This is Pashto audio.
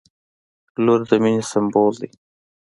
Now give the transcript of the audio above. • لور د مینې سمبول دی.